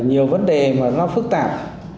nhiều vấn đề mà nó phức tạp